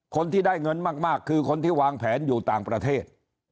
คนที่ได้เงินมากคือคนที่วางแผนอยู่ต่างประเทศ